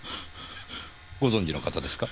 ご存じの方ですか？